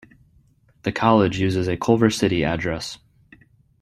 The college uses a Culver City address.